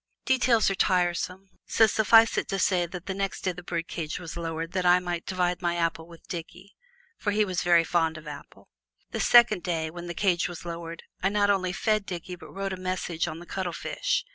Details are tiresome so suffice it to say that next day the birdcage was lowered that I might divide my apple with Dickie (for he was very fond of apple). The second day, when the cage was lowered I not only fed Dickie but wrote a message on the cuttlefish.